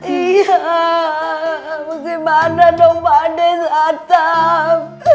iya musim badan dong badan atap